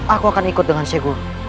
aku akan ikut dengan syekh guru